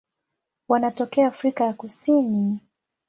Wanatokea Afrika ya Kusini.